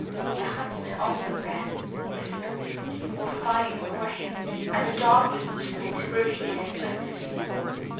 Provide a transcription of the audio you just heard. The huntsman also ran as if the wind or fire bore him, and the dog was equal to Rabican in swiftness.